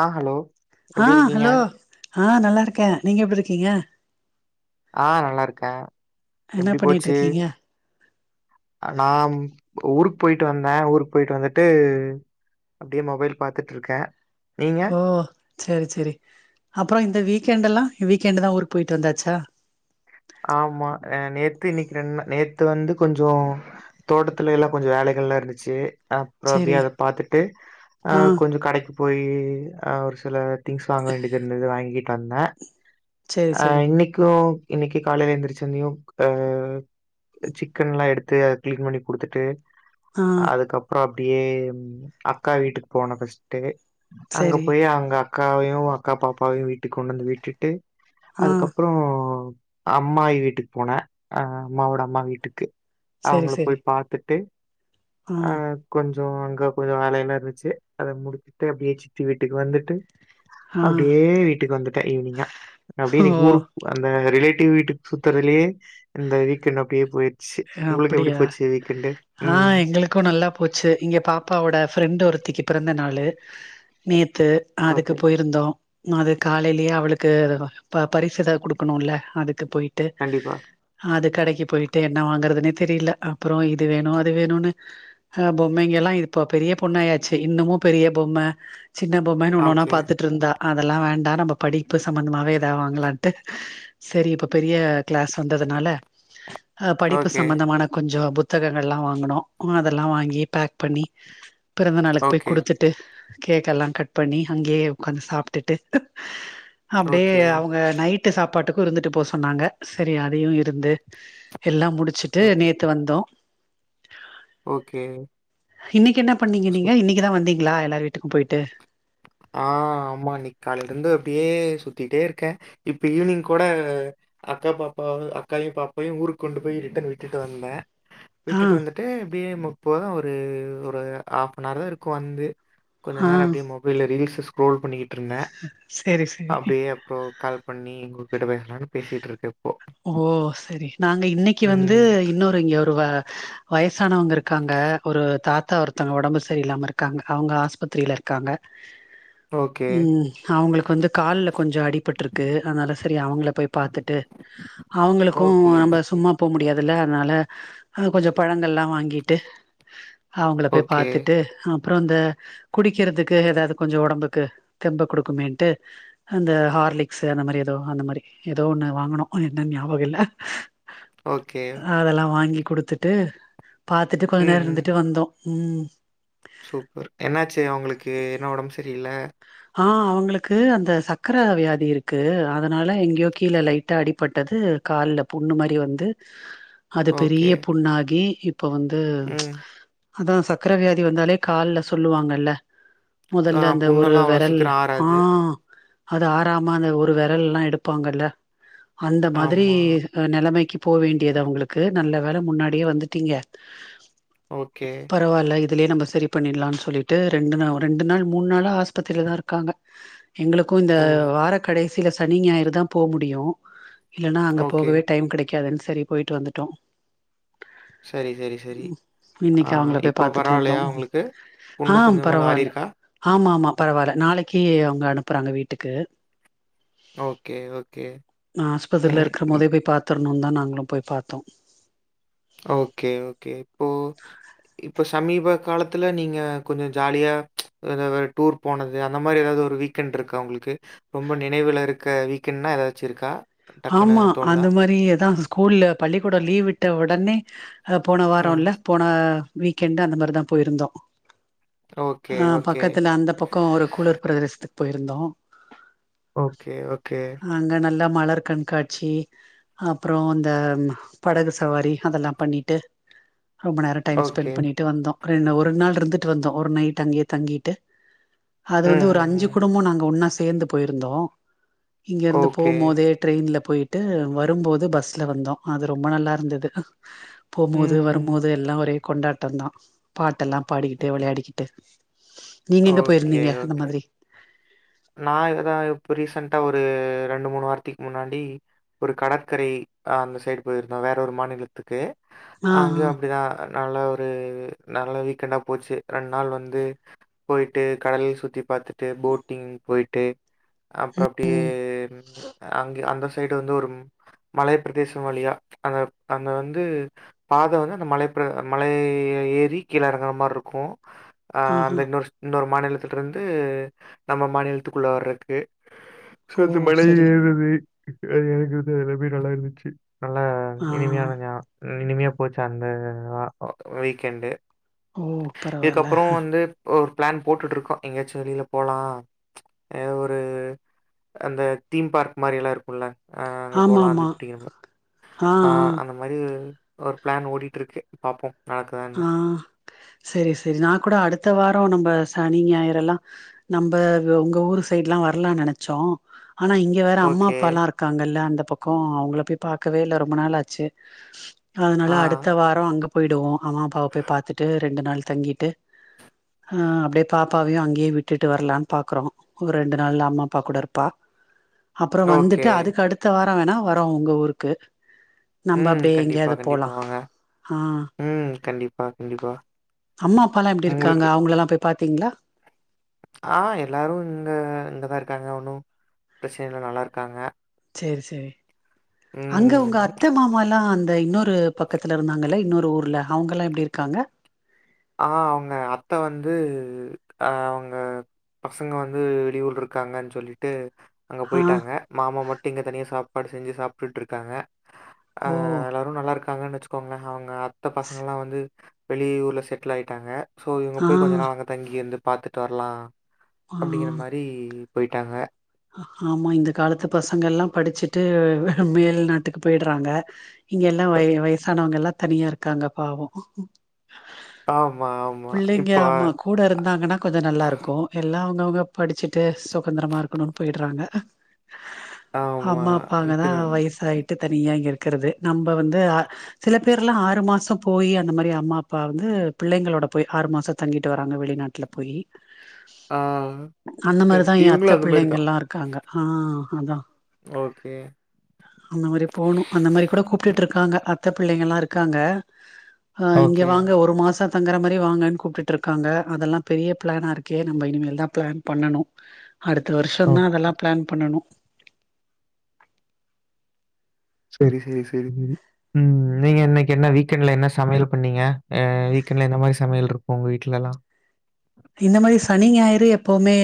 ஆ hello ஆ எப்டி இருக்கீங்க? ஹலோ ஆ நல்லா இருக்கே நீங்க எப்படி இருக்கீங்க ஆ நல்லா இருக்கே என்ன எப்டி பண்ணிட்டு போச்சு இருக்கீங்க நாம் ஊருக்கு போயிட்டு வந்தே ஊருக்கு போயிட்டு வந்துட்டு அப்படியே மொபைல் பார்த்துட்டுருக்கே ஓ சரி சரி அப்புறோ இந்த வீக்கெண்ட்ல்லா வீக்கெண்ட் தா ஊருக்கு போயிட்டு வந்தாச்சா ஆமா நேத்து இன்னிக்கி ரெண்டு நா நேத்து வந்து கொஞ்சோ தோட்டத்துல எல்லா கொஞ்ச வேலைகள்லா இருந்துச்சு அப் அப்பற அப்டியே சேரி அத பாத்துட்டு ஆ கொஞ்ச கடைக்கி போயி ஆ ஒரு சில திங்ஸ் வாங்க வேண்டியது இருந்தது வாங்கிட்டு வந்தே சேரி அ சேரி இன்னிக்கோ இன்னிக்கு காலய்ல எந்திரிச்ச உட்னூயூ அ சிக்கன்ல்லா எடுத்து அத கிளீன் பண்ணி குடுத்துட்டு ஆ அதுக்கப்பற அப்டியே அக்கா வீட்டுக்கு போன ஃப்ஸ் ட்டு அங்க சேரி போய் அவங்க அக்காவையூ அக்கா பாப்பாவையூ வீட்டுக்கு கொண்டு வந்து விட்டுட்டு ஆ அதுக்கப்புறோ அம்மாயீ வீட்டுக்கு போனே அ அம்மாவோட அம்மா வீட்டுக்கு சேரி அவுங்கள போய் சேரி பார்த்துட்டு ஆ அ கொஞ்சோ அங்க கொஞ்ச வேலையல்லா இருந்துச்சு அத முடித்துட்டு அப்படியே சித்தி வீட்டுக்கு வந்துட்டு ஆ அப்டியே வீட்டுக்கு வந்துட்டே ஈவினிங்கா அப்டியே ஓ இன்னிக்கி ஊருக் அந்த ரிலேட் டு வீட்டுக் சுத்துறலயே இந்த வீக்கெண்ட் அப்டியே போயிட்ச் ச்சு உங்களுக்கு எப்படி போச்சு வீக்கண்டு ம் இப்ப நல்லா போச்சு இங்க பாப்பாவோட ஃப்ரெண்ட் ஒருத்திக்கு பிறந்த நாளு நேத்து அதுக்கு ஓகே போயிருந்தோ அது காலேலயே அவளுக்கு ப பரிசு எதா குடுக்கணுல்ல அதுக்கு போயி ட்டு கண்டிப்பா அது கடைக்கு போயிட்டு எ என்ன வாங்கறதுனே தெரியல அப்புறொ இது வேணு அது வேணுன்னு அ பொம்மைங்க எல்லா இப்ப பெரிய பொண்ணாயாச்சு இன்னமு பெரிய பொம்ம சின்ன பொம்மன்னு ஒன்னொன்னா ஓகே பாத்துட் இருந்தா அதெல்லா வேண்டா நம்ம படிப்பு சம்மந்தமாவே எதாவ் வாங்கலான்ட்டு சரி இப்ப பெரிய க்ளாஸ் வந்ததுனால அ படிப்பு ஓகே. சம்மந்தமான கொஞ்சொ புத் புத்தகங்கள்லா வாங்கனோ அதெல்லாம் வாங்கி பேக் பண்ணி பிறந்த நாளுக் போய்க் ஓகே. குடுத்துட் ட்டு கேக் எல்லா கட் பண்ணி அங்கயே உக்காந்த் சாப்டுட்டு அப்டியே ஓகே. அவங்க நைட்டு சாப்பாட்டுக்கு இருந்துட்டு போ சொன்னாங்க சரி அதயு இருந்து எல்லா முடிச்சுட்டு ஓகே. நேத்து வந்தோ ஓகே. இன்னைக்கு என்னா பண்ணீங்க நீங்க சூப் இன்னைக்குதா வந்தீங்களா எல்லாரு வீட்டுக்கும் போய்ட்டு ஆ ஆம்மா இன்னிக் காலேலருந்து அப்டியே சுத்திட்டே இருக்கே இப்ப ஈவ்னிங் கூட அக்கா பாப்பா அக்காவையு பாப்பாவையு ஊருக்கு கொண்டு போய் ரிட்டன் விட்டுட்டு வந்தே ஆ விட்டுட்டு வந்துட்டு இப்டியே முப்போ ஒரு ஒரு ஹாஃப் அன் ஆர் தா இருக்கு வந்து கொஞ்ச ஆ நேரொ அப்டியே மொபைல்ல ரீல்ஸ்ஸ ஸ்க்ரோல் பண்ணிக்கிட்டு இருந்தே செரி செரி அப்டியே அப்றொ கால் பண்ணி உங்ககிட்ட பேசலான் பேசிட் இருக்கே ஓ சரி நாங்க இன்னைக்கி வந்து ம். இன்னொரு இங்யோட் ஒரு வ வயசானவங்க இருக்காங்க ஒரு தாத்தா ஒருத்தங்க ஒடம்பு சரிய இல்லாமருக் க்காங்க அவுங்க ஆஸ்பத்திரில இருக்காங்க ஓகே ம் அவங்களுக்கு வந்து கால்ல கொஞ்ச அடிபட்ருக்கு அதனால சரி அவங்கள போய் பாத்துட்டு அவுங்களுக்கு ஓகே. நம்ப ஓகே. சும்மா போ முடியாதுல்ல அதனால அ கொஞ்சொ பழங்கள்ல்லா வாங்கிட்டு அவங்கள போய் ஓகே. பாத்துட்டு அப்புறொ இந்த குடிக்கிறதுக்கு எதாது கொஞ்சொ ஒடம்புக்கு தெம்ப குடுக்குமேன்ட்டு அந்த ஹார்லிக்ஸு அந்த மாரி எதோ அந்த மாரி எதோ ஒன்னு வாங்குனோ ஒழுங்கா ஞாபக இல்ல ஓகே. அதெல்லா வாங்கி குடுத்துட்டு பாத்துட்டு கொஞ்ச ம். நேர ம். இருந்துட்டு வந்தோ ம் சூப்பர் என்னாச்சு அவங்களுக்கு என்ன ஒடம் சரியில்ல ஹா அவ்ங்களுக்கு அந்த சக்கர வ்யாதி இருக்கு அதனால எங்யோ கீழே லைட்டா அடிப்பட்டது கால்ல புண்ணு மாரி வந்து அது ஓகே. பெரிய புண்ணாகி இப்ப வந்து ம். அதா சக்கரவியாதி வந்தாலே கால்ல சொல்லுவாங்கல்ல ஆ மொதல்ல அந்த ஒரு புண்ணெல்லாம் வெ அவ்வளோ சீக்கிரம் ஆ ஆறாது. அது ஆறம அந்த ஒரு வெரல்லா எடுப்பாங்கல்ல அந்த மாதிரி ஆமா. அ நெலைமைக்கு போ வேண்டியது அவங்களுக்கு நல்ல வேல முன்னாடியே வந்துட்டீங்க ஓகே ருவால்ல இதுலே நம்ப சரி பண்ணிட்லான் சொல்லிட்டு ரெண்டு நவ் ரெண்டு நாள் மூன் நாளா ஹாஸ்பத் இதுல தா இருக்காங்க எங்களுக்கு இந்த ஓ! வாரக்கடை சில சனி ஞாயிறு தா போ முடியு இல்லனா அங்க ஓகே. போகவே டைம் கெடைக் நிக்காதே சரி போய்ட்டு வந்துட்டோ சரி, சரி, சரி. ஆ இன்னிக்கு அவங்கள போய் இப்போ பாத்துட்டு வந்தோ பரவாயில்லையா உங்களுக்கு? ஆ புண்ணு கொஞ்சமாவது பரவால்ல ஆறியிருக்கா? ஆமா ஆமா பரவால்ல நாளைக்கு அவங்க அனுப்புறாங்க வீட்டுக்கு ஓகே, ஓகே. ஆஸ்பத்திர்ல ம். இருக்கிற போதே போய் பாத்தர்ணுன்னுன் தா நாங்களு போய் பாத்தோ ஓகே ஓகே உ இப்ப சமீப காலத்துல நீங்க கொஞ்சொ ஜாலியா எதாவது டூர் போனது அந்த மாரி எதாவது ஒரு வீக்கெண்ட் இருக்கா உங்களுக்கு ரொம்ப நெனைவில இருக்க வீக்கெண்ட்னா எதாச்சு இருக்கா டக்குன்னு ஆமா தோணுதா? அந்த மாரி ஏதான் ஸ்கூல்ல பள்ளிக்கூடம் லீவ் விட்ட உடனே அதா போன வரோ ம். இல்ல போன வீகென்ட் அந்த மாரிதா போய் இருந்தோ ஓகே, அ ஓகே. பக்கத்துல அந்த பக்கொ ஒரு குளுர் பிரதேசத்துக்கு போயிருந்தோ ஓகே ஓகே அங்க நல்லா மலர் கண்காட்சி அப்ரோ இந்த படகு சவாரி அதெல்லாம் பண்ணிட்டு ரொம்ப நேரம் டைம் ஓகே. பெண்ட் பண்ணிட்டு வந்தோ பறென்ன ஒரு நாள் இருந்துட்டு வந்தோ ஒரு நைட் அங்கேயே தங்கிட்டு அது ம், வந்து ஒரு ம், அஞ்சு ம். குடும்போ நாங்க ஒன்னா சேர்ந்து போயிருந்தோ இங்க இருந்து ஓகே. போம் போதே ட்ரெயின்ல போயிட்டு வரும்போது பஸ்ல வந்தோ அது ரொம்ப நல்லாருந்தது போம்போது ம். வரும்போது எல்லா ஒரே கொண்டாட்டம்தா பாட்டெல்லா பாடிக்கிட்டு விளையாடிக்கிட்டு நீங்க எங்க போய்ருந்தீங்க அந்த மாதிரி நா இதாலா இப்ப ரீசன்டா ஒரு ரெண்டு மூணு வாரத்துக்கு முன்னாடி ஒரு கடற்கரை ஆ அந்த சைடு பொயிருந்தோ வேற ஒரு மாநிலத்துக்கு ஆ ஆ அங்கயும் அப்படிதா அதுனால ஒரு நல்லா நல்ல வீகென்ட் போச்சு ரெண்டு நாள் வந்து போயிட்டு கடல சுத்தி பாத்துட்டு போட்டிங் போய்டிட்டு அப்றோ அப்டியே ம் அங்க அந்த சைடு வந்து ஒரு மலை பிரதேசம் வழியா அந்த அந்த வந்து பாத வந்து அந்த மலை மலைய ஏ ஏறி கீழே எறங்குற மாரி இருக்கு ஆ ஆஹா அந்த இன்னொரு இன்னொரு மாநிலத்திலருந்து நம்ம மாநிலத்துக்குள்ள வரத்துக்கு ஓ சேத்து மழ சரி ஏறது அது எனக்குது ரொம்ப நல்லா இருந்துச்சு நல்லா ஆ இனிமையான இனிமையா போச்சு அந்த வீக்கெண்டு ஓ பரவால்ல இதுக்கப்றம் வந்து ஒரு பிளான் போட்டுட்டு இருக்கோ எங்கேயாச்சும் வெளியில போலா ஆ ஒரு அந்த தீம் பார்க் மாரியல்லா இருக்கும்ல அ அங்க ஆமா போலா ஆமா அதுப்படி ஆ அந்த மாரி ஒரு பிளான் ஓடிட்டு இருக்கு பாப்போ ஆ செரி செரி நா கூட அடுத்த வாரோ நம்ம சனி ஞாயிறு எல்லா நம்ப உங்க ஊரு சைட் லா வரலான் நெனச்சோ ஆனா இங் இங்க வேற அம்மா ஓகே. அப்பால்லா இருக்காங்கல்ல அந்த பக்கம் அவங்கள போய் பாக்கவே இல்ல ரொம்ப நாள் ஆச்சு ஆ. அதனால அடுத்த வாரோ அங்க போயிடுவோ அம்மா அப்பாவ போய் பாத்துட்டு ரெண்டு நாள் தங்கிட்டு அ அப்டியே பாப்பாவையும் அங்கேயே விட்டுட்டு வரலான் பாக்றோ ஒரு ரெண்டு நாள்ல அம்மாப்பா கூட இருப்பா அப்றோ ஓகே. வந்துட்டு அதுக்கு அடுத்த வரோ வேணா வாரோ உங்க ஊருக்கு நம்ம ம் அப்டியே கண்டிப்பா எங்கேயாவது போலா கண்டிப்பா வாங்க ஆ ம் கண்டிப்பா கண்டிப்பா அம்மா அப்பாலா எப்படி இருக்காங்க உங்களுக்கு அவங்கலல்லா போய் பாத்தீங்களா ஆ எல்லாரு இன்னு இங்க தா இருக்காங்க ஒண்ணு பிரச்சன இல்ல நல்லாதா இருக்காங்க செரி செரி அங்க உங்க ம். அத்த மாமால்லா அந்த இன்னொ ட்டு பக்கத்தில இருந்தாங்கள்ள இன்னொரு ஊர்ல அவங்கல்லாம் எப்டி இருக்காங்க ஆ அவங்க அத்த வந்து அ அவங்க பசங்க வந்து வெளியூர்ல இருக்காங்கன்னு சொல்லிட்டு அங்க ஆ போயிட்டாங்க மாமா மட்டு இங்க தனியா சாப்பாடு செஞ்சு சாப்ட்டுட்டுருக்காங்க அ ஓ எல்லாரும் நல்லா இருக்காங்கன்னு வச்சுக்கோகளே அவங்க அத்த ஸ் பசங்கள்லாம் வந்து வெளிய ஊர்ல செட் ட்டில் ஆயிட்டாங்க சோ இவங்க ஆ போய் கொஞ்ச நாள் அங்க தங்கி வந்து பாத்துட்டு வரலா ஆ அப்டிங்கற மாரி டி போயிட்டாங்க ஆமா இந்த காலத்து பசங்கல்லா படிச்சுட்டு மேல் நாட்டுக்கு போயிடுறாங்க இங்க எல்லா வய வயசானவங்க எல்லா தனியா இருக்காங்க பாவோ ஆமா, ஆமா. பிள்ளைங்க இப்போ ஆமா கூட இருந்தாங்கன்னா கொஞ்ச நல்லாயிருக்கு எல்லா அவங்கவுங்க படிச்சுட்டு சுதந்திரமாக இருக்கணு போயிட்றாங்க ஆமா. அம்மா அப்பாதா இப்பதான் வயசாயிட் டு தனியா இங்க இருக்கிறது நம்ம வந்து சில பேர்லா ஆறு மாசோ போய் அந்த மாரி அம்மா அப்பா வந்து பிள்ளைங்களோட போய் ஆறு மாசோ தங்கிட்டு வராங்க வெளிநாட் ட்ல போயி ஆ கரிக்ட் இவுங்ளு அந்த மாரி தா பிள்ளைங்கல்லா இருக்காங்க ஆ அதா ஓகே அந்த மாதிரி போணு அந்த மாதிரி கூட கூப்ட்டுட்டு இருக்காங்க அத்த பிள்ளைங்கல்லா இருக்காங்க ஆ இங்க ஓகே. வாங்க ஒரு மாசோ தங்குற மாரி வாங்கன்னு கூப்ட்டுட்டு இருக்காங்க அதெல்லா பெரிய பிளானா இருக்கே நம்ம இனிமேல்தா பிளான் பண்ணணு அடுத்த வருஷந்தா ஓகே. அதெல்லா பிளான் பண்ணனு சேரி சேரி சேரி சேரி ம் நீங்க இன்னைக்கு என்ன வீக்கெண்ட்ல என்ன சமையல் பண்ணீங்க அ வீக்கெண்ட்ல எந்த மாரி சமையல்ருக்கு உங்க வீட்ல எல்லா இந்த மாரி சனி ஞாயிறு எப்பவுமே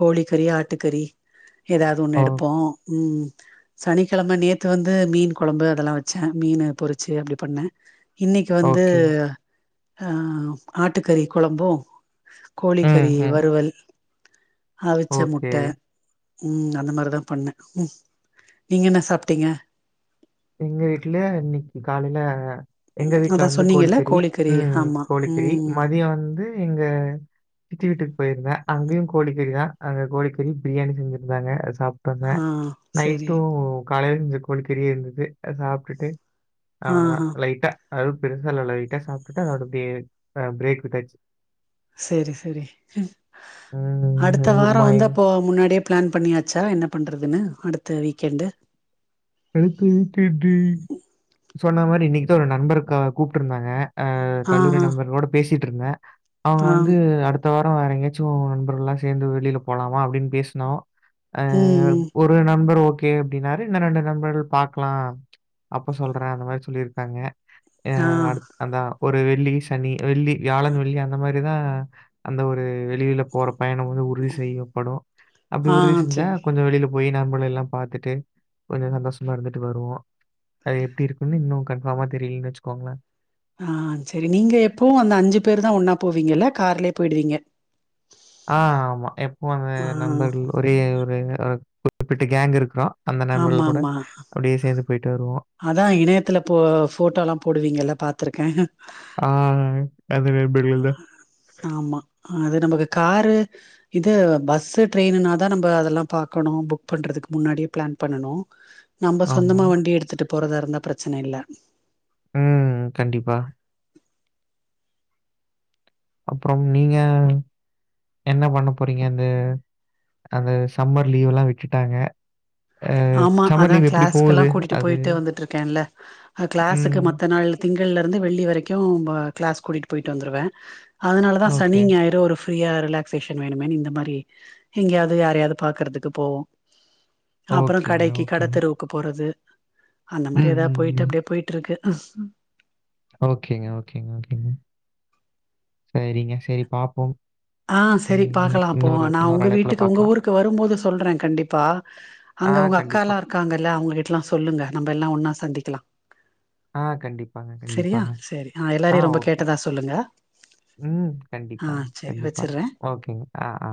கோழிக்கறி ஆட்டுக்கறி ஏதாவது ஒண்ணு ஓ! எடுப்போ ம் சனிக்கெழமே நேத்து வந்து மீன் குழம்பு அதெல்லா வச்சே மீன் பொறிச்சு அப்டி பண்ணே இன்னைக்கு வந்து ஓகே. அ ஆட்டுக்கறி கொழம்பு ம், கோழிக்கறி ம். வறுவல் அவிச்ச ஓகே. முட்ட ம் அந்த மாரிதா பண்ணே ம் நீங்க என்ன சாப்ட்டீங்க எங்க வீட்ல இன்னைக்கி காலைல எங்க வீட்ல அதா வந்து சொன்னீங்கல்ல கோழிகறி கோழிக்கறி ம் ஆமா கோழிகறி ம் மதியோ வந்து இங்க சித்தி வீட்டுக் போயிருந்தே அங்கியு கோழிக்கறிதா அங்க கோழிக்கறி பிரியாணி செஞ்சிருந்தாங்க அது சாப் ட்ருந்தே ஆ செரி நய்ட்டு காலையில செஞ்ச கோழிக்கறியே இருந்துது சாப்ட்டுட்டு ஆ அவ்ளோதா ஆ லைட்டா அது பெருசா இல்ல லைட்டா சாப்ட்டுட்டு அதோட பிரேக் விட்டாச்சு சேரி சேரி ம் அடுத்த வாரோ ஆமா, வந்து எங் அப்போ முன்னாடியே பிளான் பண்ணியாச்சா என்ன பண்றதுன்னு அடுத்த வீக்கெண்டு அடுத்த வீக் என்டு சொன்ன மாரி இன்னைக்குதா ஒரு நண்பர் கூப்ட்ருந்தாங்க ஆ கல்லூரி ஆ நண்பர்களோட பேசிட்டு இருந்தே அவ ஆ வந்து அடுத்த இத்த வாரோ வேற எங்கயாச்சு நண்பர்கள்ல்லா சேந்து வெளிலப் போலாமா அப்டின் பேச்னோ ம் ஒரு நண்பர் ஓகே அப்டின்னாரு இன்னு ரெண்டு நண்பர் பாக்லா அப்ப சொல்றே அந்த மாரி சொல்லிருக்காங்க ஏ ஆ அதா ஒரு வெள்ளி சனி வெள்ளி வியாழன் வெள்ளி அந்த மாதிரிதா அந்த ஒரு வெளியில போற பயணோ வந்து உறுதி செய்யப்படு அப்டி ஆ உறுதி செஞ்சா செரி கொஞ்சோ வெளியில போய் நண்பர்கள்லல்லா பாத்துட்டு கொஞ்சோ சந்தோஷ் மறந்துட்டு வருவோ அது எப்டி இருக்குன்னு இன்னு கன்ஃபார்மா தெரியலனு வச்சுக்கோங்ளே ஆ சரி நீங்க எப்பவு அந்த அஞ்சு பேருதா ஒன்னாப் போவீங்கல கார்லியேப் போயிடுவீங்க ஆ ஆமா எப்பவு அந்த ஆ நண்பர்கள் ஒரே ஒரு குறிப்பிட்ட கேங் இருக்குறோ அந்த ஆமா நண்பர்கள் கூட ஆமா அப்டியே சேந்து பொயாட்டு வருவோ அதா இணையத்துல போ போட்டோல்லா போடுவீங்கல்ல பாத்ருக்கே ஆ அந்த நண்பர்கள் தா ஆமா அது நமக்கு காரு இது பஸ்ஸு ட்ரெயினுனாதா நம்ப அதெல்லாம் பாக்கணு புக் பண்றதுக்கு முன்னாடியேப் பிளான் பண்ணணு நம்ப ஆமா. சொந்தமா வண்டி எடுத்துட்டு போறதா இருந்தா பிரச்சன இல்ல ம் கண்டிப்பா அப்றம் நீங்க என்ன பண்ண போறீங்க அந்து அது சம்மர் லீவ்ல்லா விட்டுட்டாங்க அ ஆமா சம்மர் அதா லீவ் எப்படி கிளாசுக்கெல்லா போகுது? கூட்டிட்டு அது பொய்ட்டு வந்துட்ருக்கேல கிளாஸுக்கு ம். மத்த நாள் திங்கள்லிருந்து வெள்ளி வரைக்கோ கிளாஸ் கூட்டிட்டு போயிட்டு வந்துருவே அதனால தா சனி ஓகே. ஞாயிறு ஒரு ஃப்ரீயா ரிலாக்சேஷன் வேணுமேன் இந்த மாரி எங்கயாவது யாரயாவது பாக்றதுக்கு போவோ அப்புறம் ஓகேங்க, கடைக்கி ஓகேங்க. கடைத்தெருவுக்கு போறது அந்த மாரி ம், ஏதாவது ம், போயிட்டு ம். அப்படியே போயிட்டு இருக்கு ஓகேங்க ஓகேங்க ஓகேங்க சரிங்க சரி பாப்போ ஆ சரி பாக்கலா அப்போ நா இன்னொரு உங்க அழைப்புல வீட்டுக்கு உங்க பார்க்கலாம். ஊருக்கு வரும் போது சொல்றே கண்டிப்பா ஆ அங்க உங்க கண்டிப்பா. அக்கால்லா இருக்காங்கல்ல அவங்க கிட்டல்லா சொல்லுங்க நம்ம எல்லா ஒன்னா சந்திக்கலா ஆ கண்டிப்பாங்க, சரியா கண்டிப்பாங்க. சரி ஆ எல்லாரையு ரொம்ப கேட்டதா சொல்லுங்க ம் ஆ கண்டிப்பா சரி கண்டிப்பா வச்சிட்றே ஓகேங்க ஆ ஆ